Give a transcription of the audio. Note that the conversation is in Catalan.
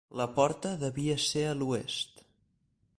La porta devia ser a l'oest.